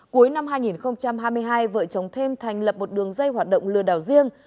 cuối năm hai nghìn hai mươi hai vợ chồng thêm thành lập một đường dây hoạt động lừa đảo riêng